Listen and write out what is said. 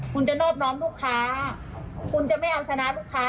คุณจะนอบน้อมลูกค้าคุณจะไม่เอาชนะลูกค้า